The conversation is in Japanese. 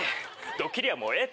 ドッキリはもうええて！